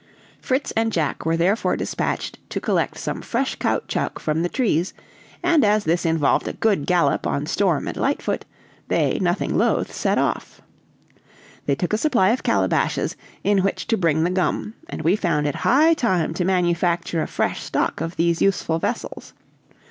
Fritz and Jack were therefore dispatched to collect some fresh caoutchouc from the trees, and as this involved a good gallop on Storm and Lightfoot, they, nothing loth, set off. They took a supply of calabashes, in which to bring the gum, and we found it high time to manufacture a fresh stock of these useful vessels.